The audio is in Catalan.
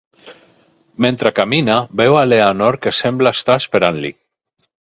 Mentre camina, veu a Eleanor que sembla estar esperant-li.